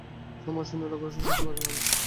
সম্রাট-সৈন্যেরা অগ্রসর হইতে পারিল না।